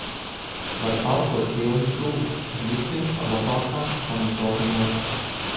Var elpot pilnu krūti un justies kā labākā sanatorijā.